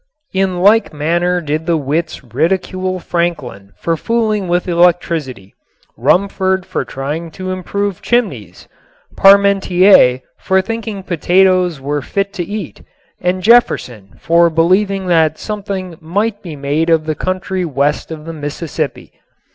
In like manner did the wits ridicule Franklin for fooling with electricity, Rumford for trying to improve chimneys, Parmentier for thinking potatoes were fit to eat, and Jefferson for believing that something might be made of the country west of the Mississippi.